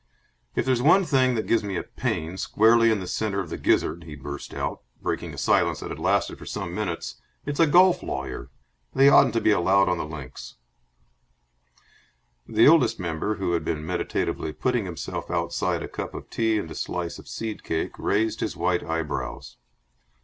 "If there's one thing that gives me a pain squarely in the centre of the gizzard," he burst out, breaking a silence that had lasted for some minutes, "it's a golf lawyer. They oughtn't to be allowed on the links." The Oldest Member, who had been meditatively putting himself outside a cup of tea and a slice of seed cake, raised his white eyebrows.